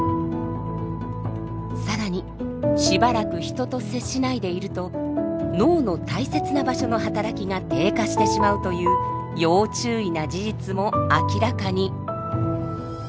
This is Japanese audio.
更にしばらく人と接しないでいると脳の大切な場所の働きが低下してしまうという要注意な事実も明らかに。